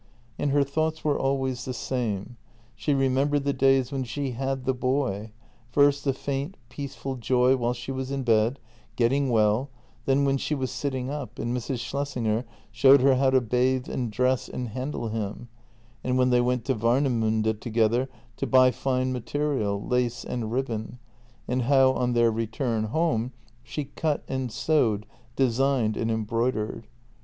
And her thoughts were always the same: she remembered the days when she had the boy — first the faint, peaceful joy while she was in bed, getting well, then when she was sitting up and Mrs. Schles singer showed her how to bath and dress and handle him, and when they went to Warnemiinde together to buy fine ma terial, lace, and ribbon, and how on their return home she cut and sewed, designed and embroidered.